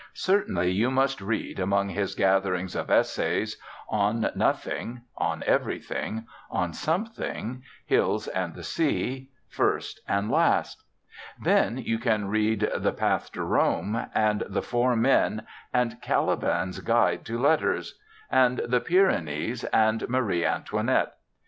Certainly you must read (among his gatherings of essays) On Nothing, On Everything, On Something, Hills and the Sea, First and Last; then you can read The Path to Rome, and The Four Men, and Caliban's Guide to Letters and The Pyrenees and Marie Antoinette.